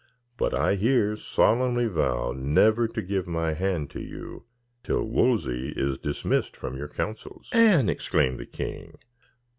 But I here solemnly vow never to give my hand to you till Wolsey is dismissed from your counsels." "Anne!" exclaimed the king.